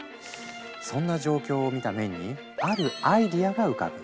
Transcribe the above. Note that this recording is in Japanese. そんな状況を見たメンにあるアイデアが浮かぶ。